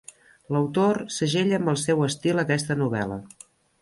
L'autor segella amb el seu estil aquesta novel·la.